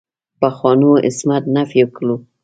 پخوانو عصمت نفي کړو.